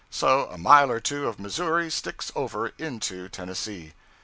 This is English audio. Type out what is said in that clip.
So a mile or two of Missouri sticks over into Tennessee.